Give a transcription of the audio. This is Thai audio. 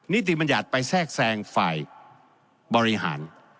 นิติบัญญัติไปแทรกแทรงฝ่ายบริหาร